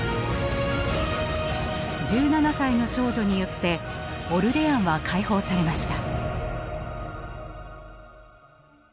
１７歳の少女によってオルレアンは解放されました。